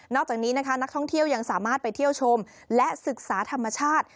จากนี้นะคะนักท่องเที่ยวยังสามารถไปเที่ยวชมและศึกษาธรรมชาติ